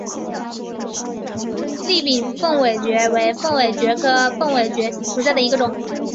栗柄凤尾蕨为凤尾蕨科凤尾蕨属下的一个种。